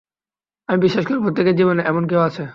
আমি বিশ্বাস করি প্রত্যেকের জীবনে এমন কেউ আছে।